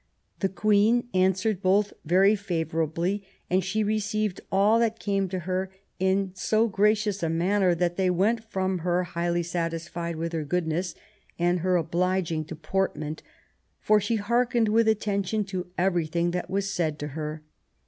The Queen "answered both very favorably, and she received all that came to her in so gracious a manner that they went from her highly satisfied with her good ness, and her obliging deportment; for she barkened with attention to everything that was said to her."